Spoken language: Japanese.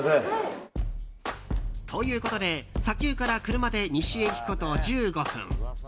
ということで、砂丘から車で西へ行くこと１５分。